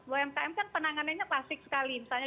umkm kan penanganannya klasik sekali misalnya